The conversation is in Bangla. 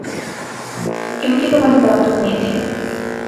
ইউকি তোমাকে দত্তক নিয়েছে।